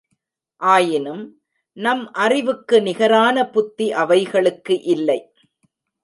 ஆயினும், நம் அறிவுக்கு நிகரான புத்தி அவைகளுக்கு இல்லை.